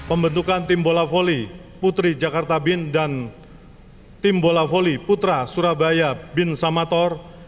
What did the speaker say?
dan pembentukan tim bola volley putri jakarta bin dan tim bola volley putra surabaya bin samator